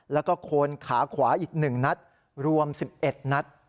แล้วก็โคนขาขวาอีก๑นัดรวม๑๑นัด